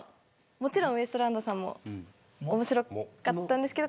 もちろんウエストランドさんも面白かったんですけど